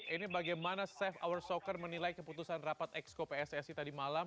ini bagaimana safe hour soccer menilai keputusan rapat exco pssi tadi malam